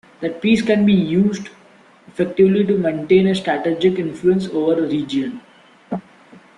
That piece can be used effectively to maintain a strategic influence over a region.